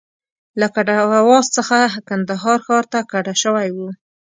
له کټواز څخه کندهار ښار ته کډه شوی و.